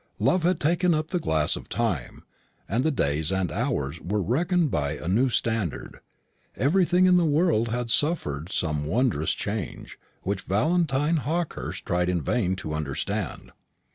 Love had taken up the glass of Time; and the days and hours were reckoned by a new standard; everything in the world had suffered some wondrous change, which Valentine Hawkehurst tried in vain to understand.